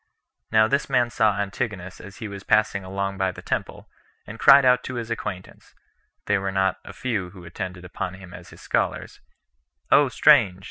Now this man saw Antigonus as he was passing along by the temple, and cried out to his acquaintance, [they were not a few who attended upon him as his scholars,] "O strange!"